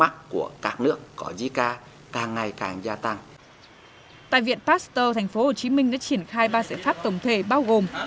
tại viện pasteur thành phố hồ chí minh đã triển khai ba giải pháp tổng thể bao gồm